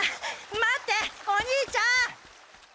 待っておにいちゃん！